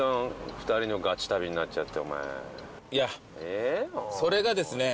二人のガチ旅になっちゃってお前いやっそれがですねえ